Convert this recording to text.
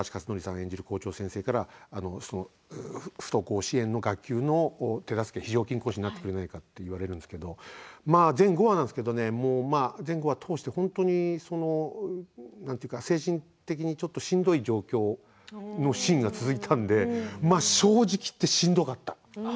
演じる校長先生から不登校支援の学級の手助け非常勤講師になってくれないかと言われるんですけど全５話なんですけど全５話を通して精神的にちょっとしんどい状況のシーンが続いたので正直言ってしんどかった。